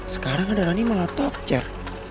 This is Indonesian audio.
sekarang ada nani malah tokcer